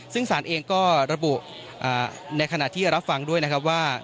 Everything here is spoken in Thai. ซึ่งสารเองก็ระบุในขณะที่รับฟังด้วยนะครับว่า